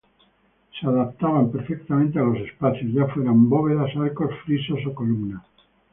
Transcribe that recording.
Se adaptaban perfectamente a los espacios, ya fueran bóvedas, arcos, frisos o columnas.